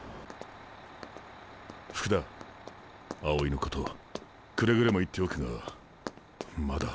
福田青井のことくれぐれも言っておくがまだ。